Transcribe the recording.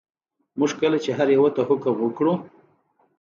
موږ کله چې هر یوه ته حکم وکړو.